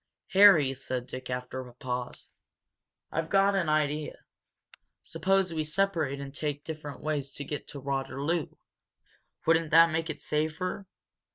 "Harry," said Dick, after a pause, "I've got an idea. Suppose we separate and take different ways to get to Waterloo? Wouldn't that make it safer?